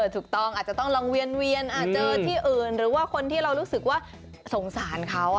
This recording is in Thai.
ถูกต้องอาจจะต้องลองเวียนเจอที่อื่นหรือว่าคนที่เรารู้สึกว่าสงสารเขา